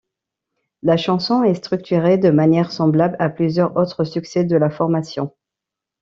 La chanson est structurée de manière semblable à plusieurs autres succès de la formation.